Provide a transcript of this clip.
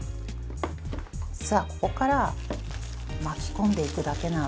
さあここから巻き込んでいくだけなんです。